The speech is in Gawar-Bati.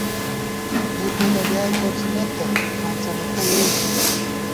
مےپېدہ ڈیائے کوڅِمېت تہ کھانڅہ مُکہ یېل ژِمېت